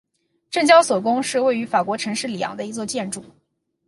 证交所宫是位于法国城市里昂的一座建筑。